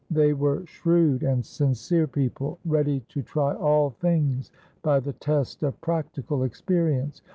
They were shrewd and sincere people, ready to try all things by the test of practical experience.